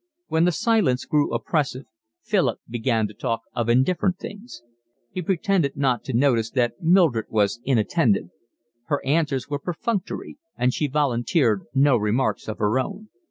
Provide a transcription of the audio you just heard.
When the silence grew oppressive Philip began to talk of indifferent things. He pretended not to notice that Mildred was inattentive. Her answers were perfunctory, and she volunteered no remarks of her own.